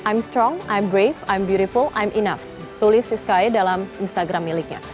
i'm strong i'm brave i'm beautiful i'm enough tulis si sky dalam instagram miliknya